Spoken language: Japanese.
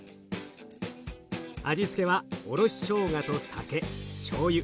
味付けはおろししょうがと酒しょうゆ。